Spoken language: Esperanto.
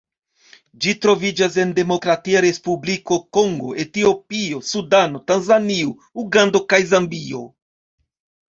Ĝi troviĝas en Demokratia Respubliko Kongo, Etiopio, Sudano, Tanzanio, Ugando kaj Zambio.